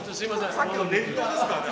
さっきの熱湯ですからね。